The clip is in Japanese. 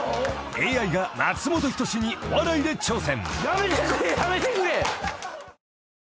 ［ＡＩが松本人志にお笑いで挑戦］